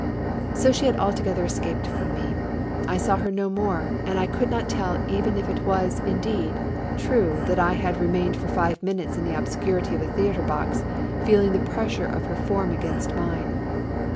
So she had altogether escaped from me. I saw her THE MAISONS LAFFITTE RACES. 43 no more, and I could not tell even if it was, indeed, true that I had remained for five minutes in the obscurity of a theatre box, feeling the pressure of her form against mine.